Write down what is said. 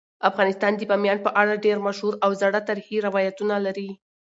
افغانستان د بامیان په اړه ډیر مشهور او زاړه تاریخی روایتونه لري.